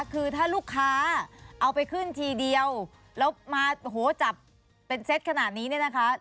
คือถ้าลูกค้าเอาไปขึ้นทีเดียวแล้วมาโอ้โหจับเป็นเซตขนาดนี้เนี่ยนะคะ